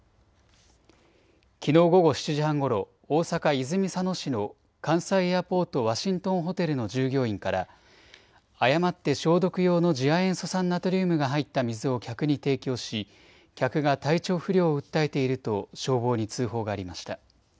きのう午後７時半ごろ大阪泉佐野市の関西エアポートワシントンホテルの従業員から誤って消毒用の次亜塩素酸ナトリウムが入った水を客に提供し客が体調不良を訴えていると消防に通報がありました。